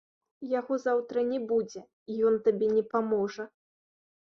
Яго заўтра не будзе, і ён табе не паможа.